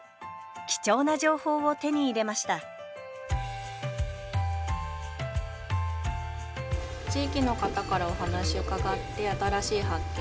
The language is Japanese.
貴重な情報を手に入れました地域の方からお話を伺って新しい発見